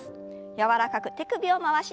柔らかく手首を回します。